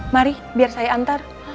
mari biar saya antar